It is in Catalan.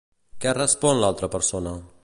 Què respon l'altra persona?